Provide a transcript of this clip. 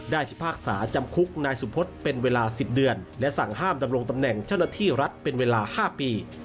พิพากษาจำคุกนายสุพฤษเป็นเวลา๑๐เดือนและสั่งห้ามดำรงตำแหน่งเจ้าหน้าที่รัฐเป็นเวลา๕ปี